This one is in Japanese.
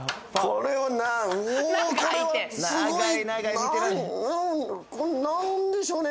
これなんでしょう？